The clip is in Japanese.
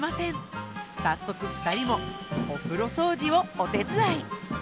早速２人もお風呂掃除をお手伝い。